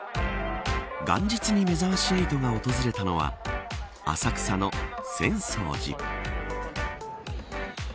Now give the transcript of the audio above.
元日にめざまし８が訪れたのは浅草の浅草寺。